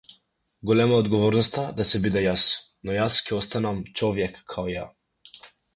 Голема е одговорноста да се биде јас, но јас ќе останам човјек као ја.